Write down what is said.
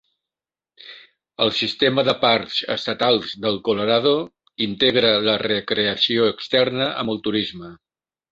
El sistema de parcs estatals del Colorado integra la recreació externa amb el turisme.